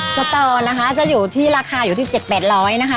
สตอนะคะจะอยู่ที่ราคาอยู่ที่เจ็ดแปดร้อยนะคะ